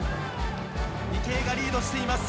池江がリードしています。